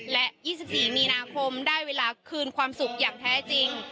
และ๒๔มีนาคมได้เวลาคืนความสุขอย่างแท้จริง